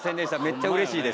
めっちゃうれしいです。